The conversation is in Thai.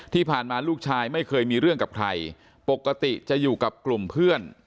ที่ผ่านมาลูกชายไม่เคยมีเรื่องกับใครปกติจะอยู่กับกลุ่มเพื่อน